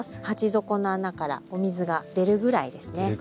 鉢底の穴からお水が出るぐらいですね。